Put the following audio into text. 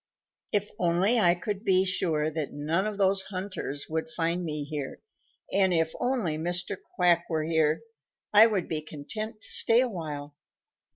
"If only I could be sure that none of those hunters would find me here, and if only Mr. Quack were here, I would be content to stay a while."